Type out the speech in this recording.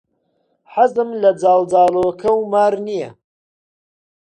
حەزم لە جاڵجاڵۆکە و مار نییە.